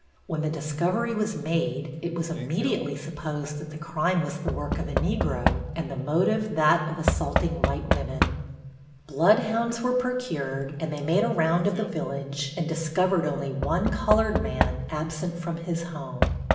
When the discovery was made, it was immediately supposed that the crime was the work of a Negro, and the motive that of assaulting white women. Bloodhounds were procured and they made a round of the village and discovered only one colored man absent from his home.